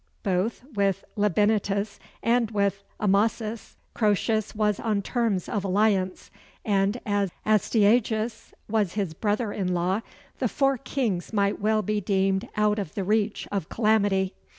Both with Labynetus and with Amasis, Croesus was on terms of alliance; and as Astyages was his brother in law, the four kings might well be deemed out of the reach of calamity.